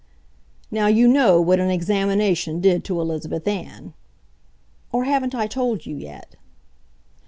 Now, you know what an examination did to Elizabeth Ann. Or haven't I told you yet?